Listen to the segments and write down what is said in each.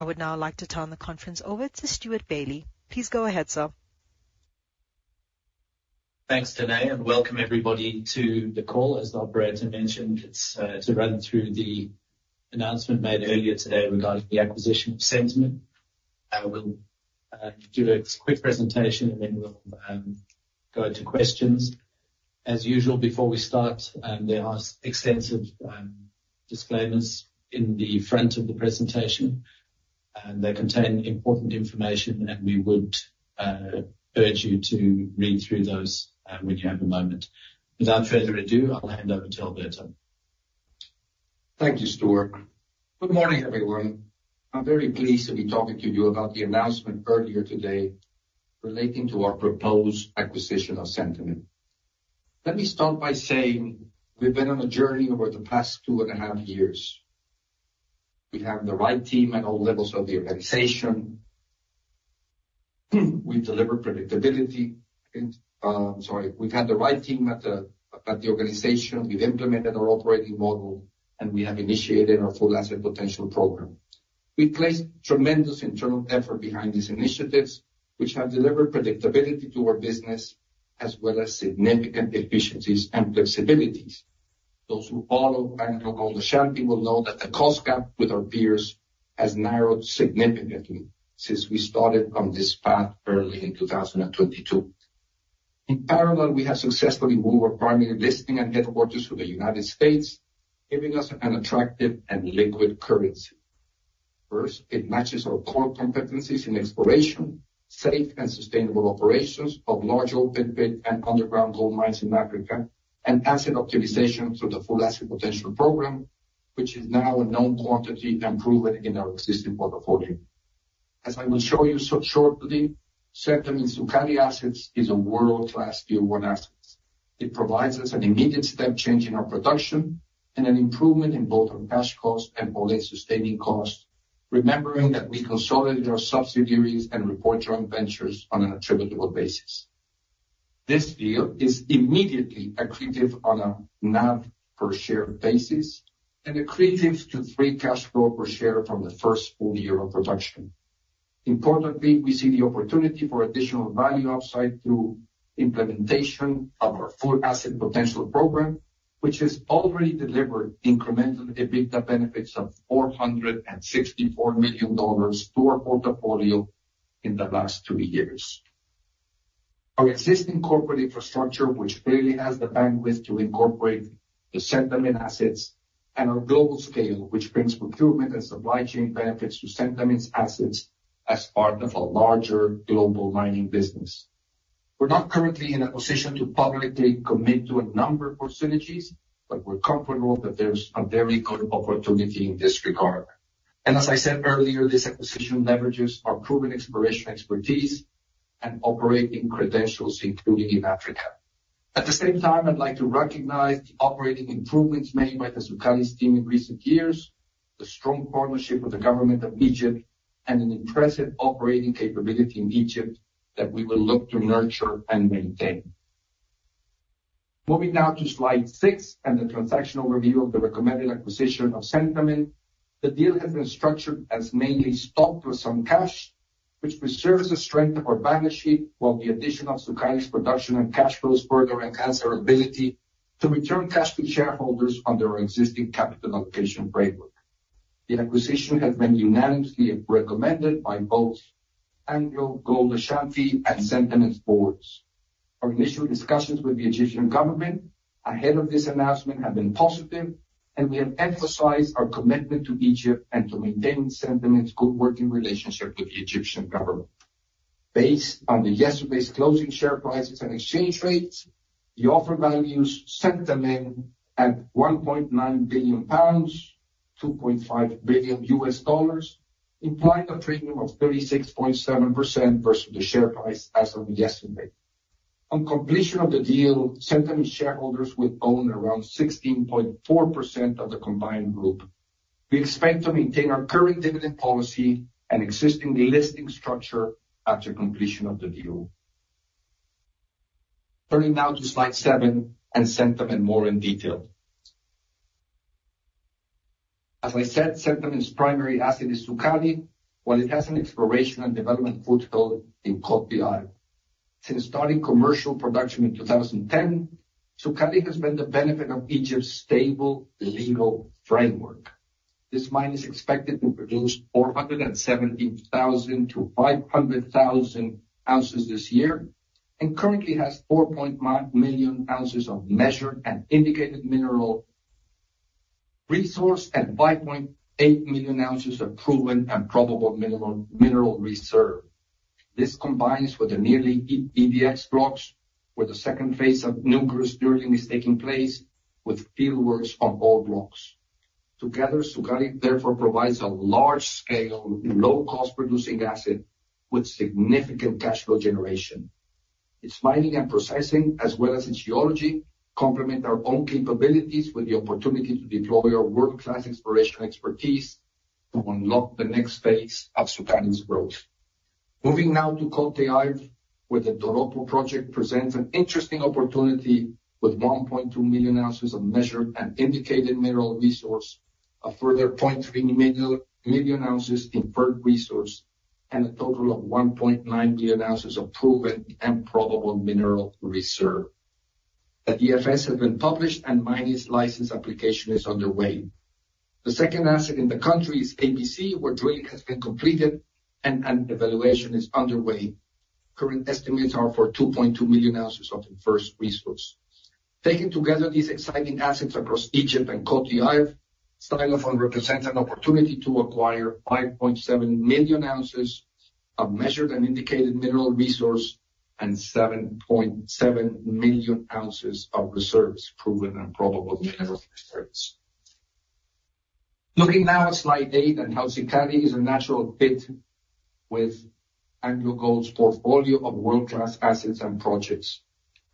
I would now like to turn the conference over to Stewart Bailey. Please go ahead, sir. Thanks, Danae, and welcome everybody to the call. As the operator mentioned, it's to run through the announcement made earlier today regarding the acquisition of Centamin. We'll do a quick presentation, and then we'll go to questions. As usual, before we start, there are extensive disclaimers in the front of the presentation, and they contain important information, and we would urge you to read through those when you have a moment. Without further ado, I'll hand over to Alberto. Thank you, Stuart. Good morning, everyone. I'm very pleased to be talking to you about the announcement earlier today relating to our proposed acquisition of Centamin. Let me start by saying we've been on a journey over the past two and a half years. We have the right team at all levels of the organization. We've implemented our operating model, and we have initiated our Full Asset Potential program. We placed tremendous internal effort behind these initiatives, which have delivered predictability to our business as well as significant efficiencies and flexibilities. Those who follow AngloGold Ashanti will know that the cost gap with our peers has narrowed significantly since we started on this path early in two thousand and twenty-two. In parallel, we have successfully moved our primary listing and headquarters to the United States, giving us an attractive and liquid currency. First, it matches our core competencies in exploration, safe and sustainable operations of large open-pit and underground gold mines in Africa, and asset optimization through the Full Asset Potential program, which is now a known quantity and proven in our existing portfolio. As I will show you so shortly, Centamin's Sukari assets is a world-class Tier 1 asset. It provides us an immediate step change in our production and an improvement in both our cash cost and all-in sustaining cost, remembering that we consolidate our subsidiaries and report joint ventures on an attributable basis. This deal is immediately accretive on a NAV per share basis and accretive to free cash flow per share from the first full year of production. Importantly, we see the opportunity for additional value upside through implementation of our Full Asset Potential program, which has already delivered incremental EBITDA benefits of $464 million to our portfolio in the last two years. Our existing corporate infrastructure, which clearly has the bandwidth to incorporate the Centamin assets, and our global scale, which brings procurement and supply chain benefits to Centamin's assets as part of a larger global mining business. We're not currently in a position to publicly commit to a number for synergies, but we're comfortable that there's a very good opportunity in this regard. And as I said earlier, this acquisition leverages our proven exploration expertise and operating credentials, including in Africa. At the same time, I'd like to recognize the operating improvements made by the Sukari team in recent years, the strong partnership with the government of Egypt, and an impressive operating capability in Egypt that we will look to nurture and maintain. Moving now to slide six and the transaction overview of the recommended acquisition of Centamin. The deal has been structured as mainly stock with some cash, which preserves the strength of our balance sheet, while the addition of Sukari's production and cash flows further enhance our ability to return cash to shareholders under our existing capital allocation framework. The acquisition has been unanimously recommended by both AngloGold Ashanti and Centamin's boards. Our initial discussions with the Egyptian government ahead of this announcement have been positive, and we have emphasized our commitment to Egypt and to maintaining Centamin's good working relationship with the Egyptian government. Based on yesterday's closing share prices and exchange rates, the offer values Centamin at GBP 1.9 billion, $2.5 billion, implying a premium of 36.7% versus the share price as of yesterday. On completion of the deal, Centamin shareholders will own around 16.4% of the combined group. We expect to maintain our current dividend policy and existing delisting structure after completion of the deal. Turning now to slide seven and Centamin more in detail. As I said, Centamin's primary asset is Sukari, while it has an exploration and development foothold in Côte d'Ivoire. Since starting commercial production in 2010, Sukari has been the beneficiary of Egypt's stable legal framework. This mine is expected to produce 470,000-500,000 ounces this year, and currently has 4 million ounces of measured and indicated mineral resource, and 5.8 million ounces of proven and probable mineral reserve. This combines with the EDX blocks, where the second phase of new growth drilling is taking place with fieldworks on all blocks. Together, Sukari therefore provides a large-scale, low-cost producing asset with significant cash flow generation. Its mining and processing, as well as its geology, complement our own capabilities with the opportunity to deploy our world-class exploration expertise to unlock the next phase of Sukari's growth. Moving now to Côte d'Ivoire, where the Doropo project presents an interesting opportunity with one point two million ounces of measured and indicated mineral resource, a further point three million ounces inferred resource, and a total of one point nine million ounces of proven and probable mineral reserve. The DFS has been published, and mining license application is underway. The second asset in the country is ABC, where drilling has been completed and an evaluation is underway. Current estimates are for two point two million ounces of inferred resource. Taking together these exciting assets across Egypt and Côte d'Ivoire, Centamin represents an opportunity to acquire 5.7 million ounces of measured and indicated mineral resource and 7.7 million ounces of reserves, proven and probable mineral reserves. Looking now at slide eight, and how Sukari is a natural fit with AngloGold's portfolio of world-class assets and projects.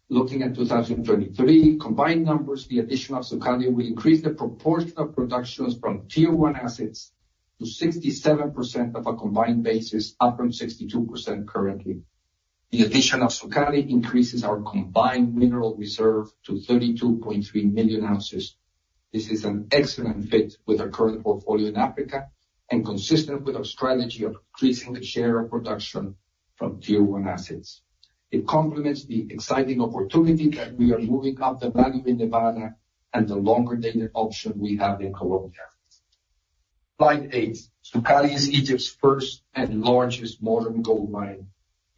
Looking at 2023, combined numbers, the addition of Sukari will increase the proportion of production from Tier 1 assets to 67% on a combined basis, up from 62% currently. The addition of Sukari increases our combined mineral reserve to 32.3 million ounces. This is an excellent fit with our current portfolio in Africa and consistent with our strategy of increasing the share of production from Tier 1 assets. It complements the exciting opportunity that we are moving up the value in Nevada and the longer-dated option we have in Colombia. Slide eight. Sukari is Egypt's first and largest modern gold mine.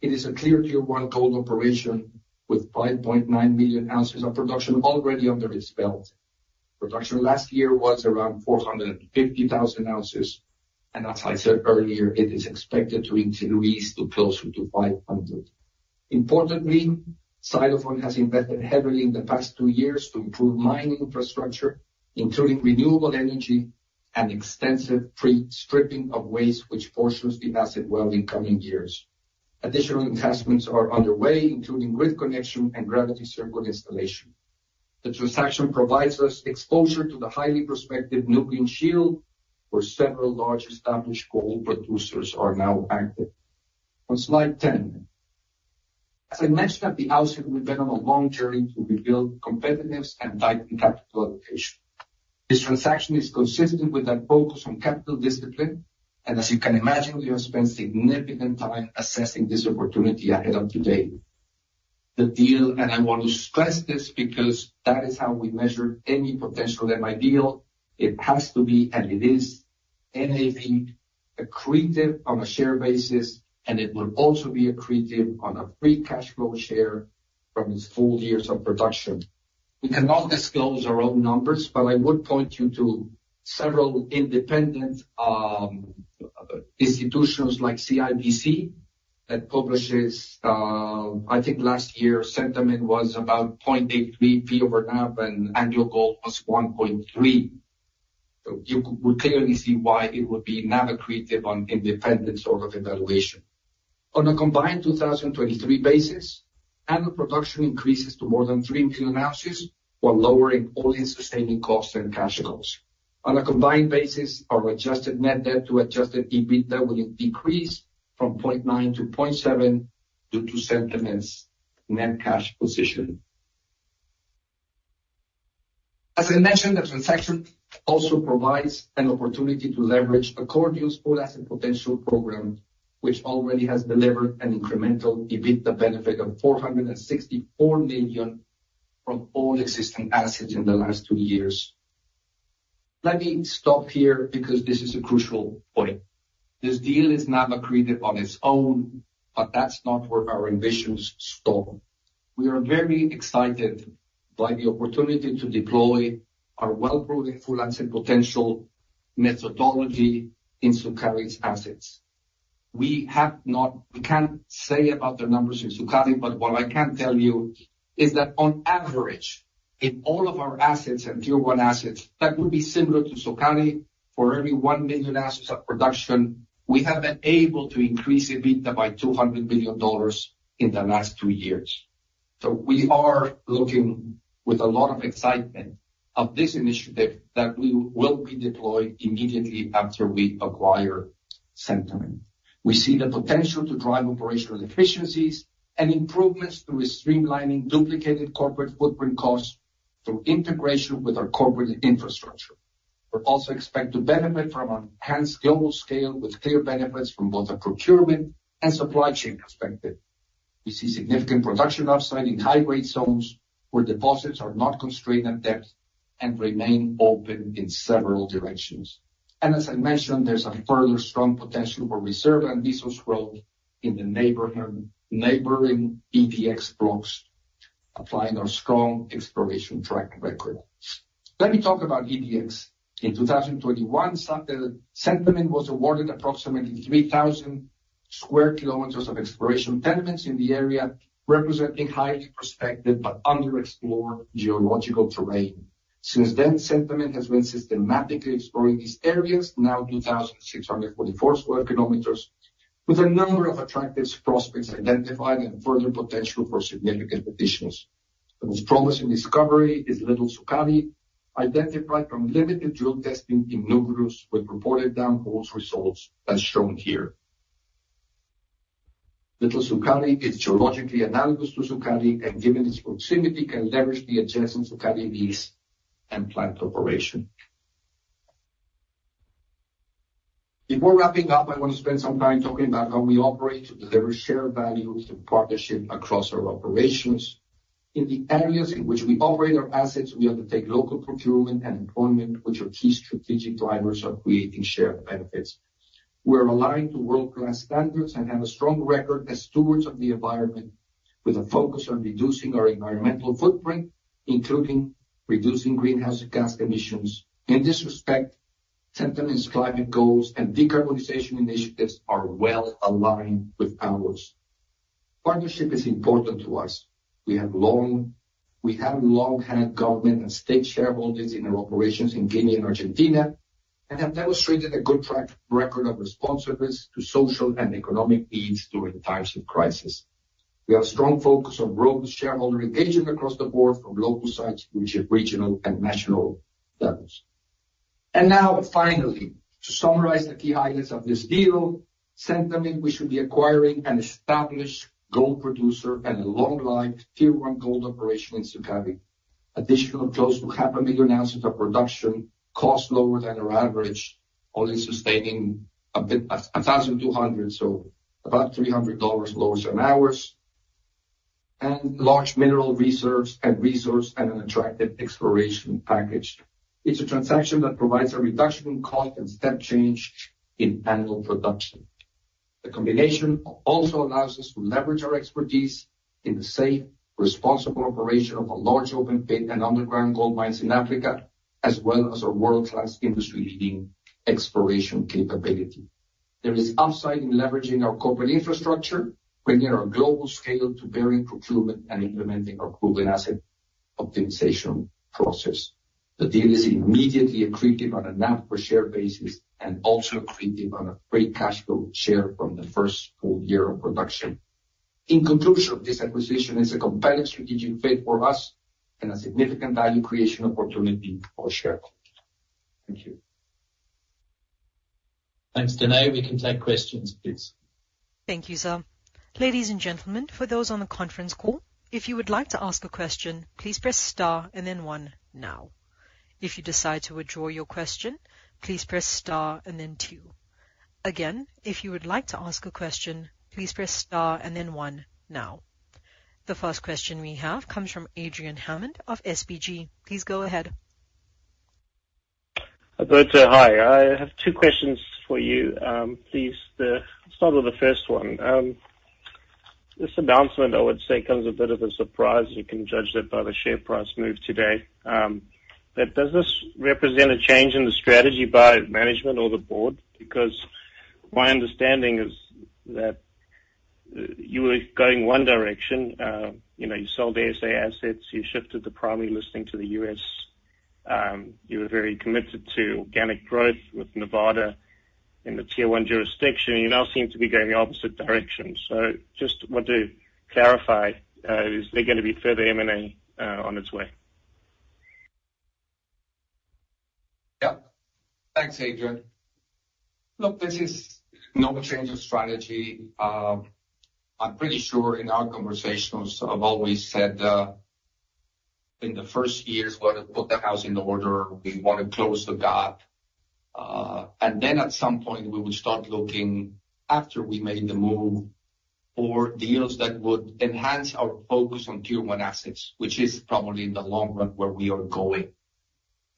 It is a clear Tier 1 gold operation with 5.9 million ounces of production already under its belt. Production last year was around 450,000 ounces, and as I said earlier, it is expected to increase to closer to 500. Importantly, Centamin has invested heavily in the past two years to improve mining infrastructure, including renewable energy and extensive pre-stripping of waste, which positions the asset well in coming years. Additional investments are underway, including grid connection and gravity circuit installation. The transaction provides us exposure to the highly prospective Nubian Shield, where several large established gold producers are now active. On slide ten. As I mentioned at the outset, we've been on a long journey to rebuild competitiveness and lighten capital allocation. This transaction is consistent with our focus on capital discipline, and as you can imagine, we have spent significant time assessing this opportunity ahead of today. The deal, and I want to stress this because that is how we measure any potential M&A deal, it has to be, and it is NAV accretive on a share basis, and it will also be accretive on a free cash flow share from its full years of production. We cannot disclose our own numbers, but I would point you to several independent institutions like CIBC that publishes. I think last year, Centamin was about 0.83 P/NAV, and AngloGold was 1.3. You could clearly see why it would be NAV accretive on independent sort of evaluation. On a combined 2023 basis, annual production increases to more than 3 million ounces while lowering all-in sustaining costs and cash costs. On a combined basis, our adjusted net debt to adjusted EBITDA will decrease from 0.9 to 0.7 due to Centamin's net cash position. As I mentioned, the transaction also provides an opportunity to leverage our Full Asset Potential program, which already has delivered an incremental EBITDA benefit of $464 million from all existing assets in the last two years. Let me stop here, because this is a crucial point. This deal is not accretive on its own, but that's not where our ambitions stop. We are very excited by the opportunity to deploy our well-proven Full Asset Potential methodology in Sukari's assets. We can't say about the numbers in Sukari, but what I can tell you is that on average, in all of our assets and Tier 1 assets, that would be similar to Sukari. For every one million ounces of production, we have been able to increase EBITDA by $200 million in the last two years. So we are looking with a lot of excitement of this initiative that we will be deployed immediately after we acquire Centamin. We see the potential to drive operational efficiencies and improvements through streamlining duplicated corporate footprint costs through integration with our corporate infrastructure. We also expect to benefit from an enhanced global scale with clear benefits from both a procurement and supply chain perspective. We see significant production upside in high-grade zones, where deposits are not constrained at depth and remain open in several directions. As I mentioned, there's a further strong potential for reserve and resource growth in the neighborhood, neighboring EDX blocks, applying our strong exploration track record. Let me talk about EDX. In 2021, Centamin was awarded approximately 3,000 sq km of exploration tenements in the area, representing highly prospective but underexplored geological terrain. Since then, Centamin has been systematically exploring these areas, now 2,644 sq km, with a number of attractive prospects identified and further potential for significant additions. The most promising discovery is Little Sukari, identified from limited drill testing in Nugrus, with reported downhole results as shown here. Little Sukari is geologically analogous to Sukari, and given its proximity, can leverage the adjacent Sukari lease and plant operation. Before wrapping up, I want to spend some time talking about how we operate to deliver shared value through partnership across our operations. In the areas in which we operate our assets, we undertake local procurement and employment, which are key strategic drivers of creating shared benefits. We're aligned to world-class standards and have a strong record as stewards of the environment, with a focus on reducing our environmental footprint, including reducing greenhouse gas emissions. In this respect, Centamin's climate goals and decarbonization initiatives are well aligned with ours. Partnership is important to us. We have long had government and state shareholders in our operations in Guinea and Argentina, and have demonstrated a good track record of responsiveness to social and economic needs during times of crisis. We have strong focus on robust shareholder engagement across the board from local sites, which are regional and national levels. Now, finally, to summarize the key highlights of this deal, Centamin, we should be acquiring an established gold producer and a long life Tier 1 gold operation in Sukari. Additional close to 500,000 ounces of production, cost lower than our average, only sustaining $1,200, so about $300 lower than ours, and large mineral reserves and resource and an attractive exploration package. It's a transaction that provides a reduction in cost and step change in annual production. The combination also allows us to leverage our expertise in the safe, responsible operation of a large open-pit and underground gold mines in Africa, as well as our world-class, industry-leading exploration capability. There is upside in leveraging our corporate infrastructure, bringing our global scale to bearing procurement and implementing our proven asset optimization process. The deal is immediately accretive on a NAV per share basis and also accretive on a free cash flow share from the first full year of production. In conclusion, this acquisition is a compelling strategic fit for us and a significant value creation opportunity for shareholders. Thank you. Thanks, Danae. We can take questions, please. Thank you, sir. Ladies and gentlemen, for those on the conference call, if you would like to ask a question, please press star and then one now. If you decide to withdraw your question, please press star and then two. Again, if you would like to ask a question, please press star and then one now. The first question we have comes from Adrian Hammond of SBG. Please go ahead. Alberto, hi. I have two questions for you, please. Let's start with the first one. This announcement, I would say, comes as a bit of a surprise. You can judge that by the share price move today. But does this represent a change in the strategy by management or the board? Because my understanding is that you were going one direction, you know, you sold the ASA assets, you shifted the primary listing to the U.S. You were very committed to organic growth with Nevada in the Tier 1 jurisdiction. You now seem to be going the opposite direction. So just want to clarify, is there going to be further M&A, on its way? Yeah. Thanks, Adrian. Look, this is no change of strategy. I'm pretty sure in our conversations, I've always said, in the first years, we're going to put the house in order. We want to close the gap. And then at some point, we will start looking after we made the move for deals that would enhance our focus on Tier 1 assets, which is probably in the long run, where we are going.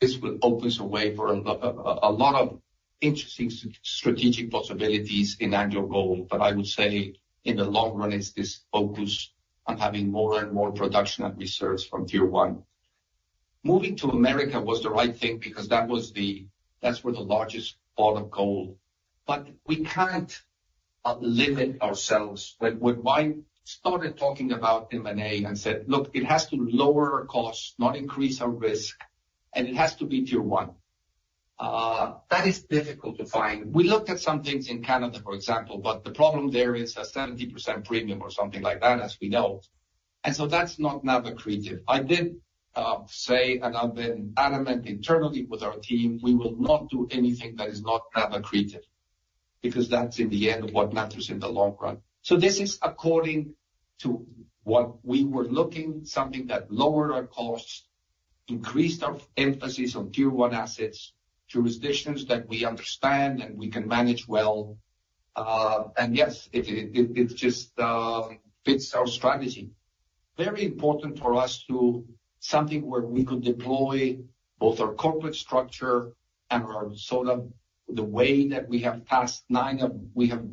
This will open us a way for a lot of interesting strategic possibilities in AngloGold, but I would say in the long run, it's this focus on having more and more production and reserves from Tier 1. Moving to America was the right thing because that was the... That's where the largest part of gold. But we can't limit ourselves. When I started talking about M&A and said, "Look, it has to lower our costs, not increase our risk, and it has to be Tier 1." That is difficult to find. We looked at some things in Canada, for example, but the problem there is a 70% premium or something like that, as we know. And so that's not NAV accretive. I did say, and I've been adamant internally with our team, we will not do anything that is not NAV accretive, because that's in the end, what matters in the long run. So this is according to what we were looking, something that lowered our costs, increased our emphasis on Tier 1 assets, jurisdictions that we understand and we can manage well. And yes, it just fits our strategy. Very important for us to find something where we could deploy both our corporate structure and our sort of the way that we have in the past we have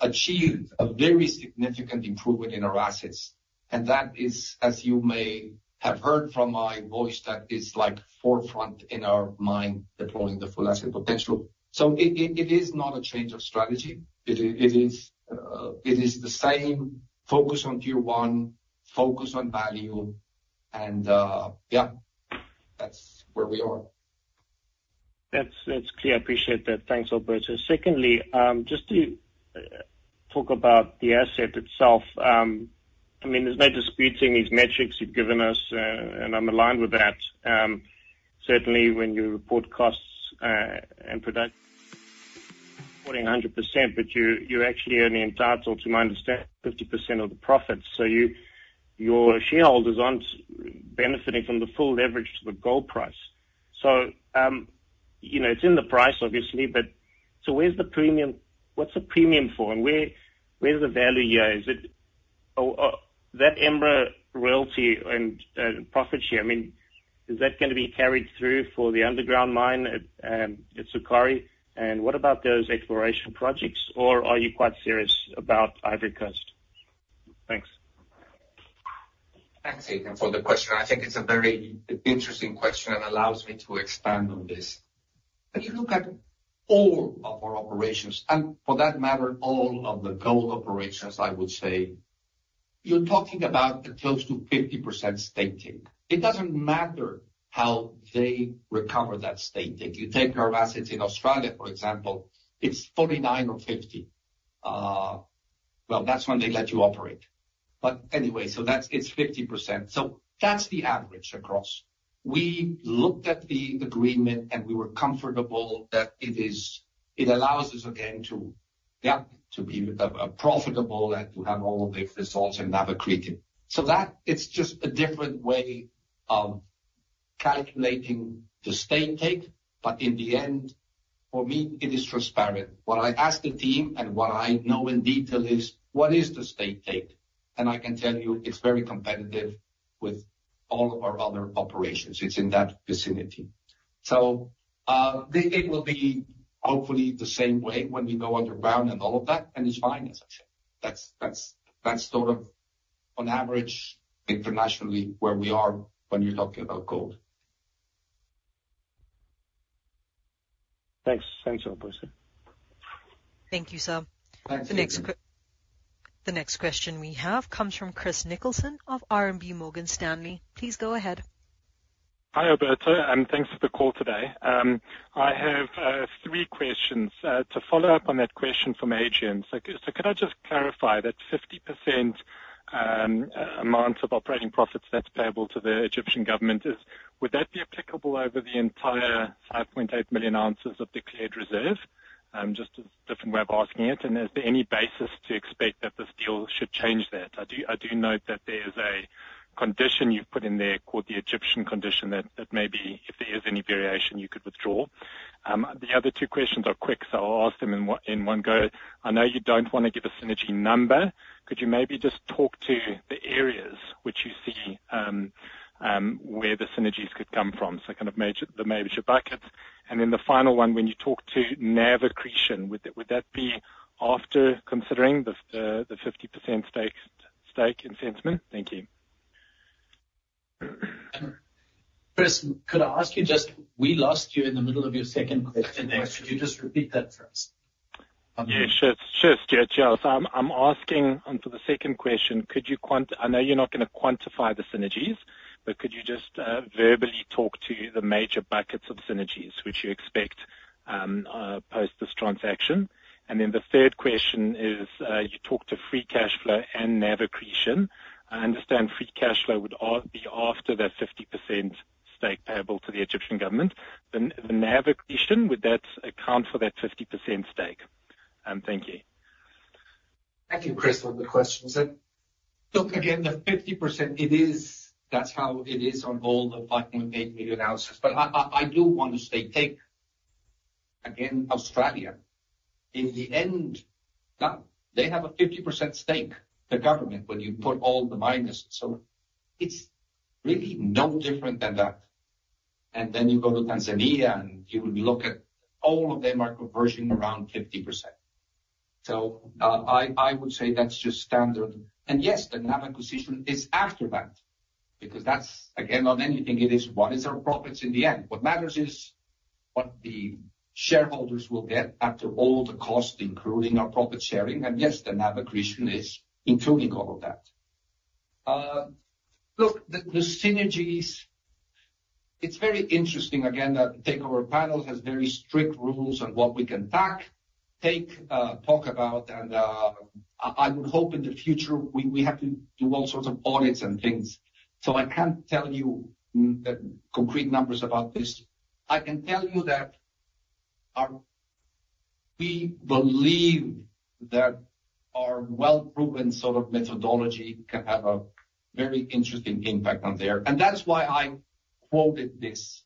achieved a very significant improvement in our assets, and that is, as you may have heard from my voice, that is like forefront in our mind, deploying the Full Asset Potential. It is not a change of strategy. It is the same focus on Tier 1, focus on value, and yeah, that's where we are.... That's clear. I appreciate that. Thanks, Alberto. Secondly, just to talk about the asset itself. I mean, there's no disputing these metrics you've given us, and I'm aligned with that. Certainly, when you report costs and production, reporting 100%, but you're actually only entitled, to my understanding, 50% of the profits. So your shareholders aren't benefiting from the full leverage to the gold price. So, you know, it's in the price, obviously, but so where's the premium? What's the premium for, and where's the value here? Is it that EMRA royalty and profit share, I mean, is that gonna be carried through for the underground mine at Sukari? And what about those exploration projects, or are you quite serious about Ivory Coast? Thanks. Thanks, Adrian, for the question. I think it's a very interesting question and allows me to expand on this. When you look at all of our operations, and for that matter, all of the gold operations, I would say, you're talking about a close to 50% state take. It doesn't matter how they recover that state take. If you take our assets in Australia, for example, it's 49 or 50. Well, that's when they let you operate. But anyway, so that's it's 50%. So that's the average across. We looked at the agreement, and we were comfortable that it allows us again to, yeah, to be profitable and to have all of the results in NAV accretion. So that, it's just a different way of calculating the state take, but in the end, for me, it is transparent. What I ask the team and what I know in detail is, "What is the state take?" And I can tell you, it's very competitive with all of our other operations. It's in that vicinity. So, it will be hopefully the same way when we go underground and all of that, and it's fine, as I said. That's sort of, on average, internationally, where we are when you're talking about gold. Thanks. Thanks, Alberto. Thank you, sir. Thanks. The next question we have comes from Chris Nicholson of RMB Morgan Stanley. Please go ahead. Hi, Alberto, and thanks for the call today. I have three questions. To follow up on that question from Adrian. So could I just clarify that 50% amount of operating profits that's payable to the Egyptian government, is would that be applicable over the entire 5.8 million ounces of declared reserve? Just a different way of asking it, and is there any basis to expect that this deal should change that? I do note that there's a condition you've put in there, called the Egyptian condition, that maybe if there is any variation, you could withdraw. The other two questions are quick, so I'll ask them in one go. I know you don't wanna give a synergy number. Could you maybe just talk to the areas which you see where the synergies could come from? So kind of the major buckets. And then the final one, when you talk to NAV accretion, would that be after considering the fifty percent stake in Centamin? Thank you. Chris, could I ask you just... We lost you in the middle of your second question. Thanks. Could you just repeat that for us? Yeah, sure. So I'm moving on to the second question. Could you quantify? I know you're not gonna quantify the synergies, but could you just verbally talk to the major buckets of synergies which you expect post this transaction? And then the third question is, you talked to free cash flow and NAV accretion. I understand free cash flow would be after that 50% stake payable to the Egyptian government. The NAV accretion, would that account for that 50% stake? Thank you. Thank you, Chris, for the questions. And look, again, the 50%, it is, that's how it is on all the 5.8 million ounces. But I do want to say, take again Australia, in the end, they have a 50% stake, the government, when you put all the miners. So it's really no different than that. And then you go to Tanzania, and you would look at all of them are conversion around 50%. So, I would say that's just standard. And yes, the NAV acquisition is after that because that's... Again, on anything it is, what is our profits in the end? What matters is what the shareholders will get after all the costs, including our profit sharing. And yes, the NAV accretion is including all of that. Look, the synergies, it's very interesting again, that the takeover panel has very strict rules on what we can talk about. I would hope in the future, we have to do all sorts of audits and things. I can't tell you concrete numbers about this. I can tell you that we believe that our well-proven sort of methodology can have a very interesting impact there, and that's why I quoted this.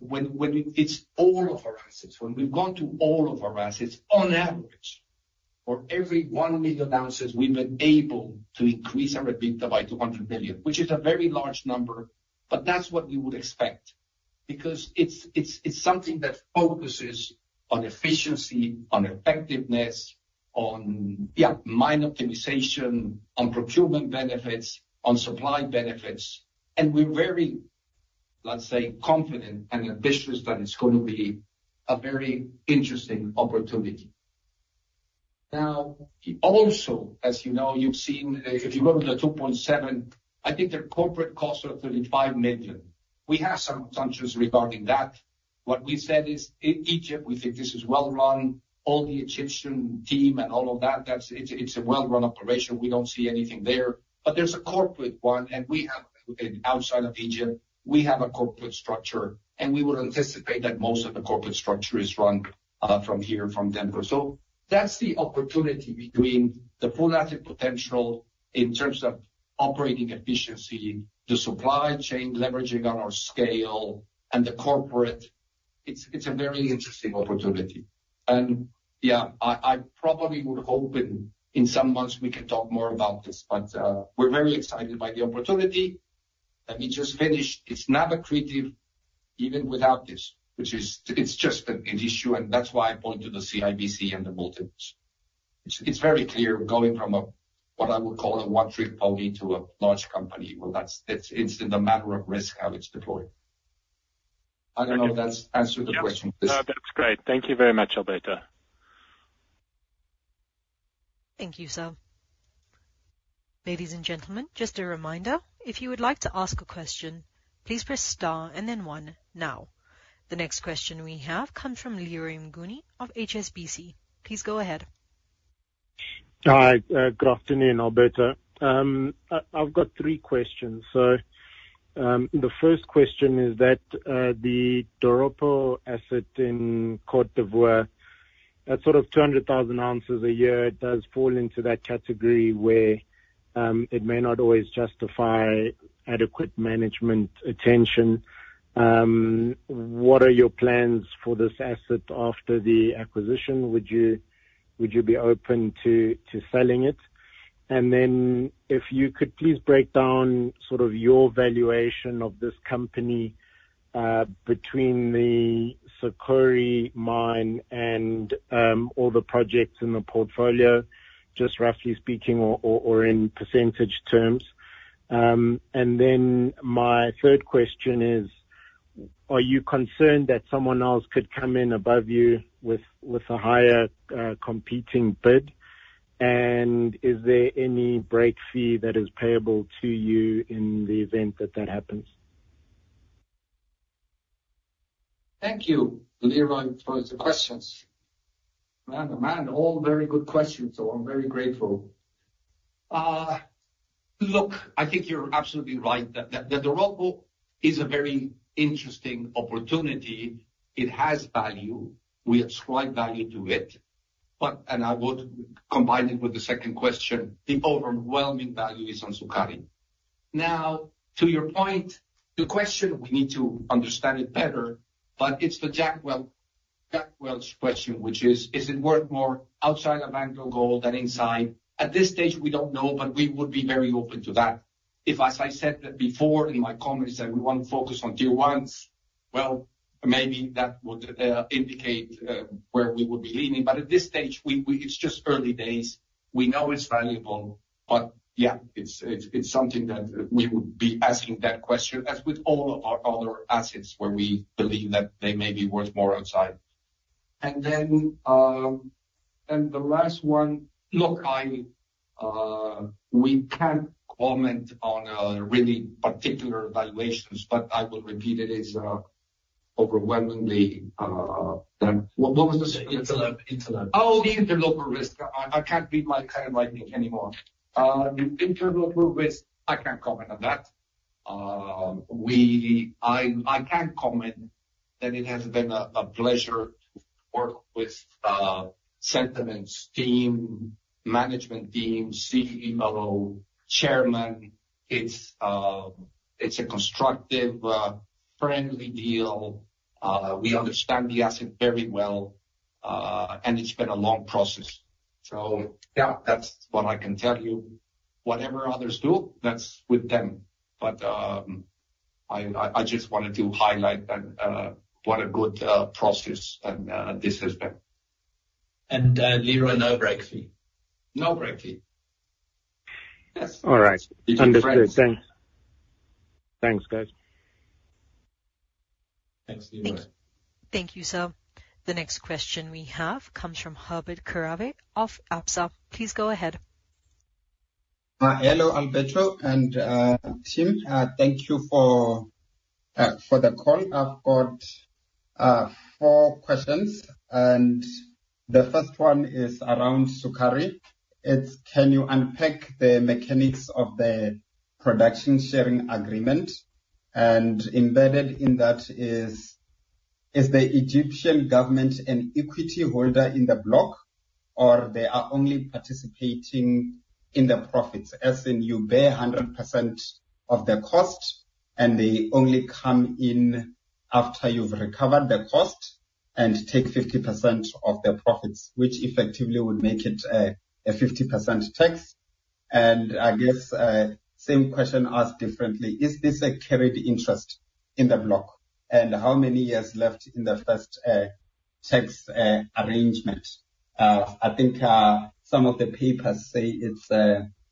When it's all of our assets, when we've gone to all of our assets, on average, for every 1 million ounces, we've been able to increase our EBITDA by $200 million, which is a very large number, but that's what we would expect. Because it's something that focuses on efficiency, on effectiveness, on, yeah, mine optimization, on procurement benefits, on supply benefits. And we're very, let's say, confident and ambitious that it's gonna be a very interesting opportunity. Now, also, as you know, you've seen, if you go to the two point seven, I think their corporate costs are $35 million. We have some concerns regarding that. What we said is, in Egypt, we think this is well run. All the Egyptian team and all of that, that's it's a well-run operation. We don't see anything there. But there's a corporate one, and we have, outside of Egypt, we have a corporate structure, and we would anticipate that most of the corporate structure is run from here, from Denver. So that's the opportunity between the Full Asset Potential in terms of operating efficiency, the supply chain leveraging on our scale, and the corporate. It's a very interesting opportunity. Yeah, I probably would hope in some months we can talk more about this, but we're very excited by the opportunity. Let me just finish. It's not accretive even without this, which is. It's just an issue, and that's why I pointed to the CIBC and the multiples. It's very clear going from a what I would call a one-trick pony to a large company. Well, that's. It's in the matter of risk, how it's deployed. I don't know if that's answered the question. Yes. No, that's great. Thank you very much, Alberto. Thank you, Sam. Ladies and gentlemen, just a reminder, if you would like to ask a question, please press star and then one now. The next question we have comes from Leroy Mnguni of HSBC. Please go ahead. Hi, good afternoon, Alberto. I've got three questions. The first question is that, the Doropo asset in Côte d'Ivoire, at sort of 200,000 ounces a year, it does fall into that category where, it may not always justify adequate management attention. What are your plans for this asset after the acquisition? Would you be open to selling it? And then if you could please break down sort of your valuation of this company, between the Sukari mine and, all the projects in the portfolio, just roughly speaking or in percentage terms. And then my third question is: Are you concerned that someone else could come in above you with a higher competing bid? And is there any break fee that is payable to you in the event that that happens? Thank you, Leroy, for the questions. Man, oh, man, all very good questions, so I'm very grateful. Look, I think you're absolutely right. The Doropo is a very interesting opportunity. It has value. We ascribe value to it, but. And I would combine it with the second question. The overwhelming value is on Sukari. Now, to your point, the question, we need to understand it better, but it's the Jack Welch question, which is: Is it worth more outside of AngloGold than inside? At this stage, we don't know, but we would be very open to that. If, as I said that before in my comments, that we want to focus on Tier 1s, well, maybe that would indicate where we would be leaning. But at this stage, we. It's just early days. We know it's valuable, but yeah, it's something that we would be asking that question, as with all of our other assets, where we believe that they may be worth more outside. And then, and the last one. Look, I, we can't comment on really particular valuations, but I will repeat it is overwhelmingly. What, what was the second? Interlop, interlop. Oh, the interloper risk. I can't read my pen writing anymore. The interloper risk, I can't comment on that. We can comment that it has been a pleasure to work with Centamin's team, Management Team, CEO, Chairman. It's a constructive, friendly deal. We understand the asset very well, and it's been a long process. So yeah, that's what I can tell you. Whatever others do, that's with them. But I just wanted to highlight that what a good process this has been. Leroy, no break fee. No break fee. Yes. All right. Understood. You can print. Thanks. Thanks, guys. Thanks, Leroy. Thank you, sir. The next question we have comes from Herbert Kharivhe of Absa. Please go ahead. Hello, Alberto and team. Thank you for the call. I've got four questions, and the first one is around Sukari. Can you unpack the mechanics of the production-sharing agreement? And embedded in that is, is the Egyptian government an equity holder in the block, or they are only participating in the profits, as in you bear 100% of the cost, and they only come in after you've recovered the cost and take 50% of the profits, which effectively would make it a 50% tax? And I guess, same question asked differently: Is this a carried interest in the block, and how many years left in the first tax arrangement? I think some of the papers say it's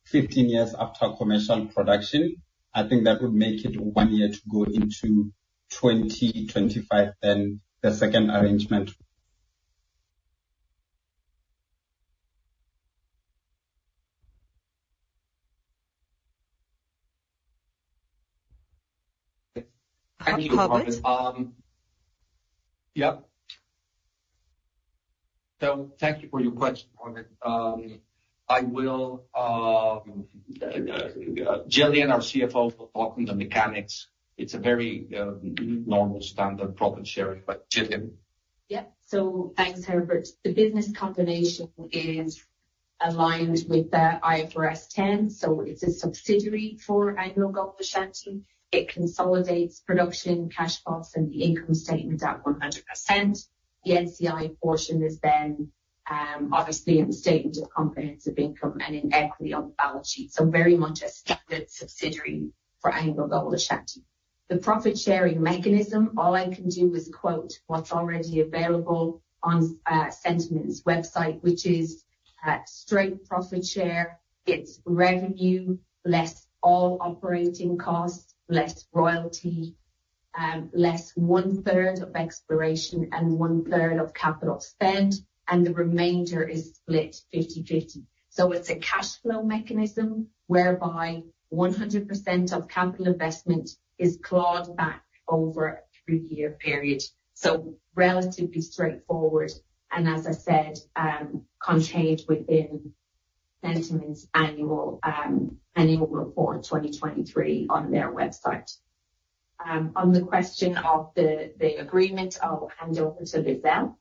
fifteen years after commercial production. I think that would make it one year to go into 2025 than the second arrangement? Thank you, Herbert. So thank you for your question, Robert. Gillian, our CFO, will talk on the mechanics. It's a very normal standard profit sharing, but Gillian? Yeah. So thanks, Herbert. The business combination is aligned with the IFRS 10, so it's a subsidiary for AngloGold Ashanti. It consolidates production, cash flows, and the income statement at 100%. The NCI portion is then obviously in the statement of comprehensive income and in equity on the balance sheet. So very much a standard subsidiary for AngloGold Ashanti. The profit-sharing mechanism, all I can do is quote what's already available on Centamin's website, which is straight profit share, its revenue less all operating costs, less royalty, less 1/3 of exploration and 1/3 of capital spend, and the remainder is split 50/50. So it's a cash flow mechanism whereby 100% of capital investment is clawed back over a three-year period, so relatively straightforward, and as I said, contained within Centamin's annual report 2023 on their website. On the question of the agreement, I'll hand over to Lizelle.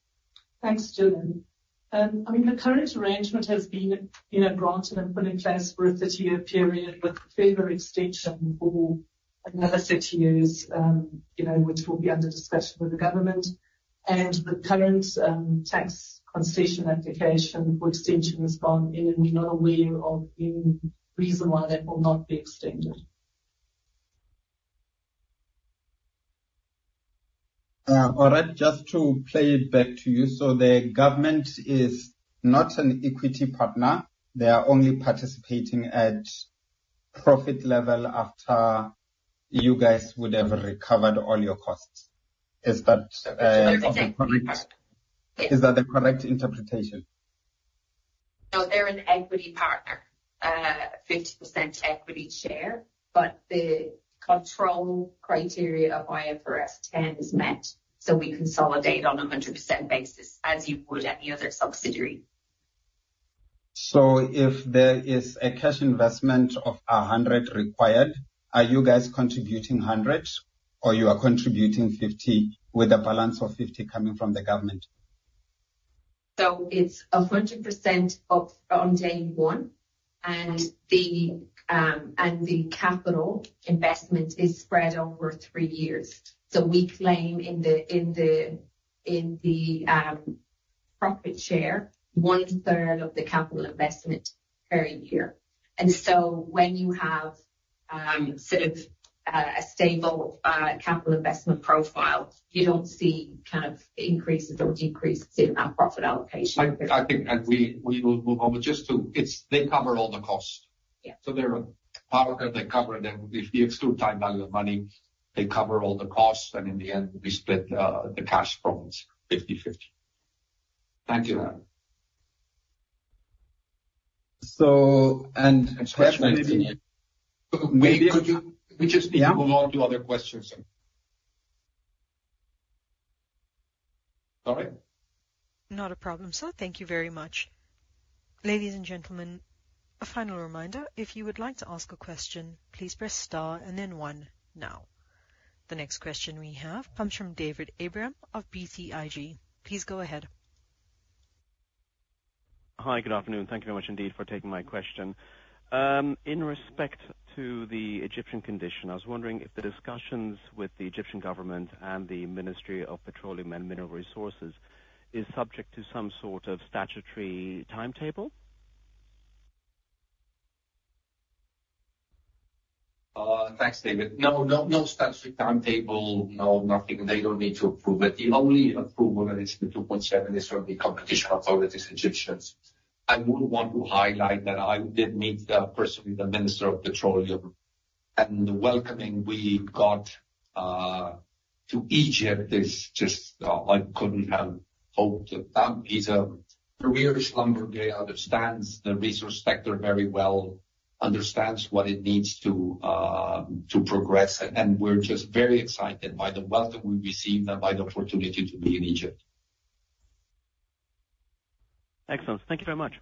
Thanks, Gillian. I mean, the current arrangement has been, you know, granted and put in place for a 30-year period with further extension for another 30 years, you know, which will be under discussion with the government, and the current tax concession application for extension has gone, and we're not aware of any reason why that will not be extended. All right, just to play it back to you. So the government is not an equity partner. They are only participating at profit level after you guys would have recovered all your costs. Is that the correct interpretation? No, they're an equity partner, 50% equity share, but the control criteria of IFRS 10 is met, so we consolidate on a 100% basis as you would any other subsidiary. So if there is a cash investment of $100 required, are you guys contributing $100, or you are contributing $50 with a balance of $50 coming from the government? So it's 100% on day one, and the capital investment is spread over three years. So we claim in the profit share, 1/3 of the capital investment per year. And so when you have sort of a stable capital investment profile, you don't see kind of increases or decreases in that profit allocation. I think and we will move on. But just to... It's-- they cover all the costs. Yeah. So they're a partner. They cover them. If you exclude time value of money, they cover all the costs, and in the end, we split the cash flows 50/50. Thank you, ma'am. So, and question, maybe- We just need to move on to other questions, sir. Sorry? Not a problem, sir. Thank you very much. Ladies and gentlemen, a final reminder, if you would like to ask a question, please press star and then one now. The next question we have comes from David Abraham of BTIG. Please go ahead. Hi, good afternoon. Thank you very much indeed for taking my question. In respect to the Egyptian concession, I was wondering if the discussions with the Egyptian government and the Ministry of Petroleum and Mineral Resources is subject to some sort of statutory timetable? Thanks, David. No, no, no statutory timetable. No, nothing. They don't need to approve it. The only approval that is in the two point seven is from the competition authorities, Egyptians. I would want to highlight that I did meet, personally, the Minister of Petroleum, and the welcoming we got, to Egypt is just, I couldn't have hoped that. He's a career Schlumberger. He understands the resource sector very well, understands what it needs to progress, and we're just very excited by the welcome we've received and by the opportunity to be in Egypt. Excellent. Thank you very much.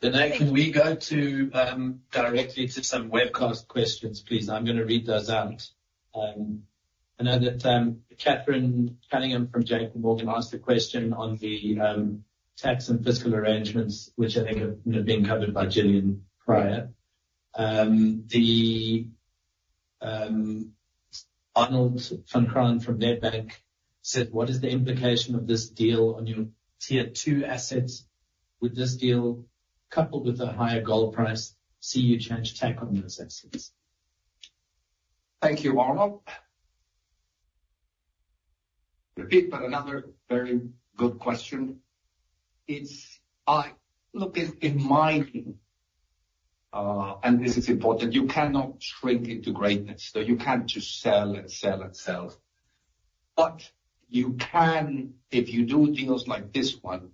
Then now, can we go to directly to some webcast questions, please? I'm gonna read those out. I know that Catherine Cunningham from JPMorgan asked a question on the tax and fiscal arrangements, which I think have, you know, been covered by Gillian prior. The Arnold Van Graan from Nedbank said: What is the implication of this deal on your Tier 2 assets? Would this deal, coupled with a higher gold price, see you change tack on those assets? Thank you, Arnold. Another very good question. It's, look, in mining, and this is important, you cannot shrink into greatness. So you can't just sell and sell and sell. But you can, if you do deals like this one,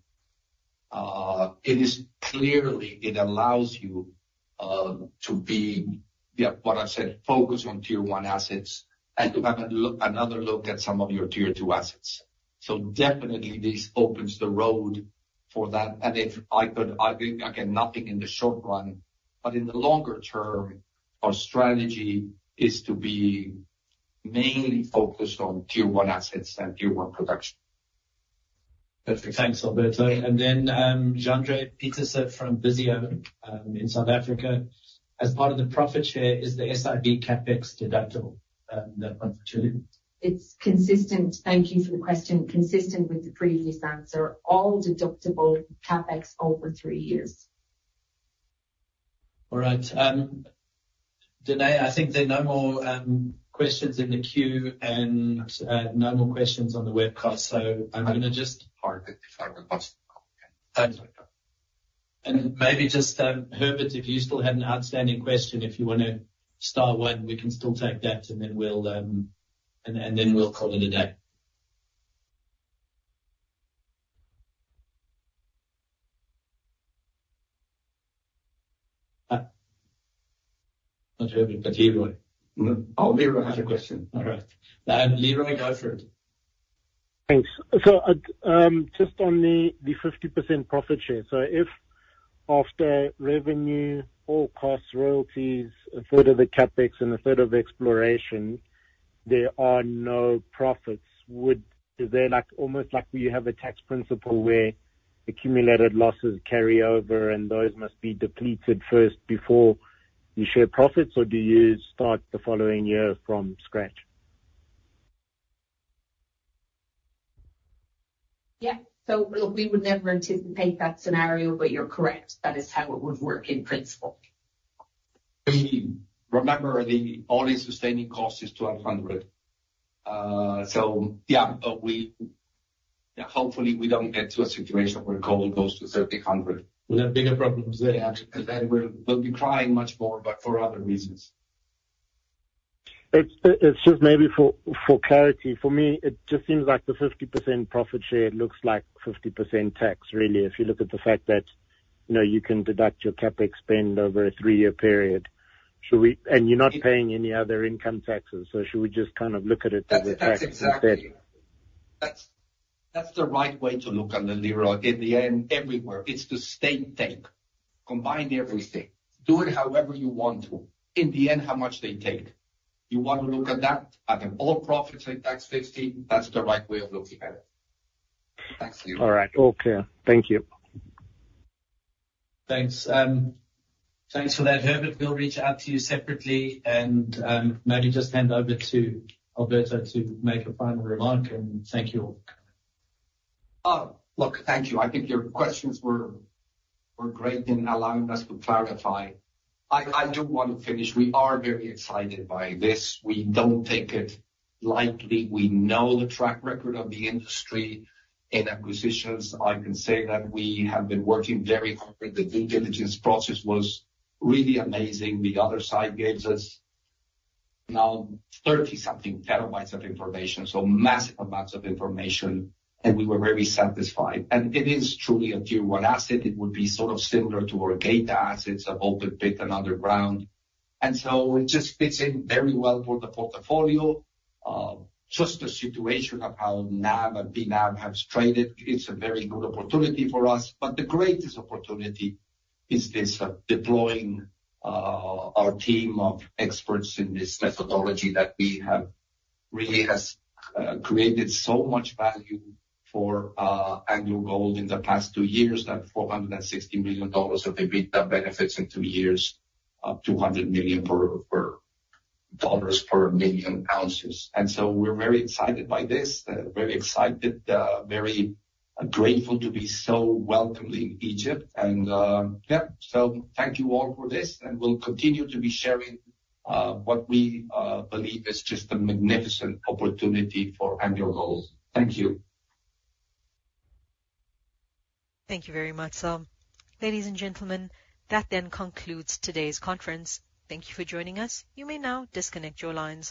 it is clearly it allows you to be, yeah, what I said, focused on Tier 1 assets and to have a look, another look at some of your Tier 2 assets. So definitely this opens the road for that. And if I could, I think, again, nothing in the short run, but in the longer term, our strategy is to be mainly focused on Tier 1 assets and Tier 1 production. Perfect. Thanks, Alberto. And then, Jandre Pieterse from Visio, in South Africa. As part of the profit share, is the SIB CapEx deductible, on virtually? It's consistent... Thank you for the question. Consistent with the previous answer, all deductible CapEx over three years. All right. Danae, I think there are no more questions in the queue and no more questions on the webcast, so I'm gonna just- Perfect. Thanks. And maybe just Herbert, if you still had an outstanding question, if you wanna start one, we can still take that, and then we'll call it a day. Not Herbert, but Leroy. Oh, Leroy has a question. All right. Leroy, go for it. Thanks. So, just on the 50% profit share. So if after revenue, all costs, royalties, a third of the CapEx and a third of exploration, there are no profits, is there, like, almost like you have a tax principle where accumulated losses carry over and those must be depleted first before you share profits? Or do you start the following year from scratch? Yeah. So look, we would never anticipate that scenario, but you're correct. That is how it would work in principle. Remember, the all-in sustaining cost is $200. So yeah, yeah, hopefully we don't get to a situation where gold goes to $3,000. We'll have bigger problems then. And then we'll be crying much more, but for other reasons. It's just maybe for clarity. For me, it just seems like the 50% profit share looks like 50% tax, really, if you look at the fact that, you know, you can deduct your CapEx spend over a three-year period. Should we, and you're not paying any other income taxes, so should we just kind of look at it as a tax instead? That's exactly. That's the right way to look at it, Leroy. In the end, everywhere, it's the state take. Combine everything, do it however you want to. In the end, how much they take? You want to look at that, at the all profits and tax 50%, that's the right way of looking at it. Thanks, Leroy. All right. All clear. Thank you. Thanks. Thanks for that, Herbert. We'll reach out to you separately and, maybe just hand over to Alberto to make a final remark and thank you all. Oh, look, thank you. I think your questions were great in allowing us to clarify. I do want to finish. We are very excited by this. We don't take it lightly. We know the track record of the industry in acquisitions. I can say that we have been working very hard. The due diligence process was really amazing. The other side gave us now thirty-something terabytes of information, so massive amounts of information, and we were very satisfied. And it is truly a Tier 1 asset. It would be sort of similar to our Geita assets, of open pit and underground. And so it just fits in very well for the portfolio. Just the situation of how NAV and PNAV have traded, it's a very good opportunity for us, but the greatest opportunity is this, deploying our team of experts in this methodology that we have really has created so much value for AngloGold in the past two years, that $460 million of the EBITDA benefits in two years, up to $100 million dollars per million ounces. And so we're very excited by this, very excited, very grateful to be so welcome in Egypt. And yeah, so thank you all for this, and we'll continue to be sharing what we believe is just a magnificent opportunity for AngloGold. Thank you. Thank you very much, sir. Ladies and gentlemen, that then concludes today's conference. Thank you for joining us. You may now disconnect your lines.